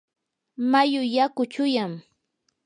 mayu yaku chuyam.